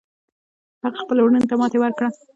هغه خپلو وروڼو ته ماتې ورکړه.